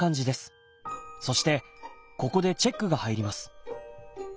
そしてここでチェックが入ります。